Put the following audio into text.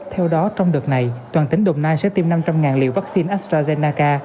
theo đó trong đợt này toàn tỉnh đồng nai sẽ tiêm năm trăm linh liệu vaccine astrazeneca